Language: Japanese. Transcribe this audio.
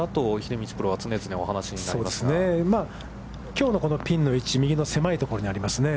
きょうのこのピンの位置、右の狭いところにありますね。